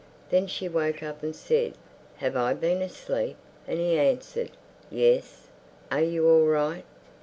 Then she woke up and said, "Have I been asleep?" and he answered, "Yes. Are you all right?